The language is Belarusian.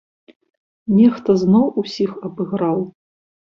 Нехта зноў усіх абыграў?